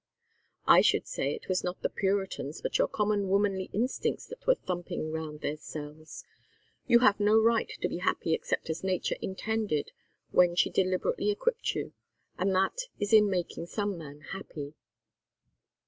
"I should say it was not the Puritans but your common womanly instincts that were thumping round their cells. You have no right to be happy except as Nature intended when she deliberately equipped you, and that is in making some man happy."